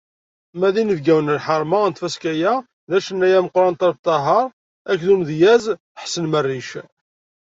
Ma d inebgawen n lḥerma n tfaska-a d acennay ameqqran Ṭaleb Ṭaher akked umedyaz Ḥsen Merric.